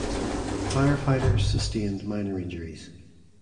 Firefighters sustained minor injuries.